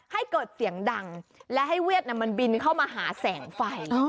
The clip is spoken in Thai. ให้เกิดเสียงดังและให้เวียดมันบินเข้ามาหาแสงไฟ